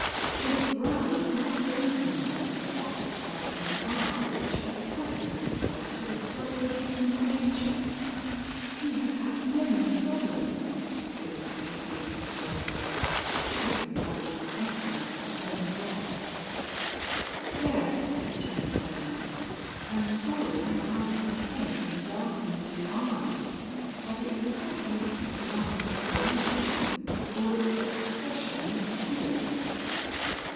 His brow is not open enough to satisfy an eye which has accustomed itself to the study of human nature." "He has had many sorrows!" Paula faintly exclaimed, stricken by this echo of her own doubts. "Yes," returned her aunt, "and sorrow bows the head and darkens the eye, but it does not make the glance wavering or its expression mysterious."